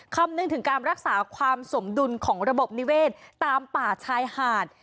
คำนึงถึงการรักษาความสมดุลของระบบนิเวศตามป่าชายหาด